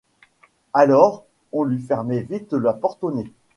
Alors, on lui fermait vite la porte au nez.